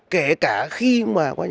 kể cả khi mà